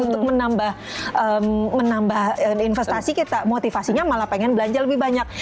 untuk menambah investasi kita motivasinya malah pengen belanja lebih banyak